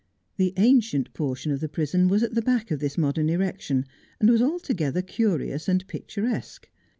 The ancient portion of the prison was at the back of this modern erection, and was altogether curious and picturesque.